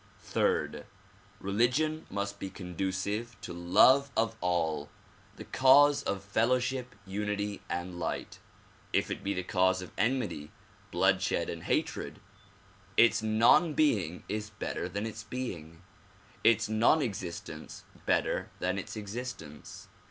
Third; religion must be conducive to love of all, the cause of fellowship, unity and light. If it be the cause of enmity, bloodshed and hatred, its non being is better than its being, its non existence better than its existence.